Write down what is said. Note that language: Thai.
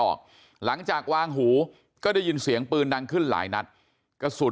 ออกหลังจากวางหูก็ได้ยินเสียงปืนดังขึ้นหลายนัดกระสุน